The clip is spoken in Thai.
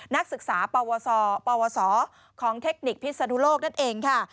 นักศึกษาปวสของเทคนิคพิศนุโลกนั่นเองค่ะ